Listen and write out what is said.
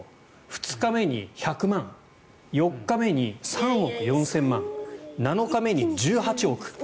２日目に１００万４日目に３億４０００万７日目に１８億。